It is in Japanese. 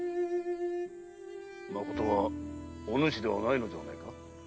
まことはおぬしではないのではないか？